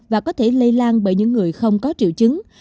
và có thể lây lan bởi những người không có triệu chứng